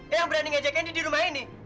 eyang berani ngajak candy di rumah ini